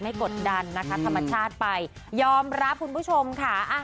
กดดันนะคะธรรมชาติไปยอมรับคุณผู้ชมค่ะ